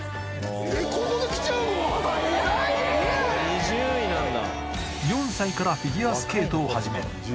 ２０位なんだ！